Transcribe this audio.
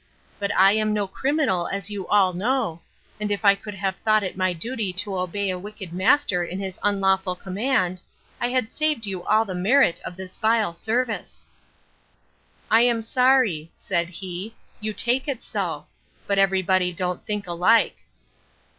But I am no criminal, as you all know: And if I could have thought it my duty to obey a wicked master in his unlawful command, I had saved you all the merit of this vile service. I am sorry, said he, you take it so: but every body don't think alike.